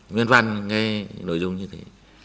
nguyên văn nghe nội dung như thế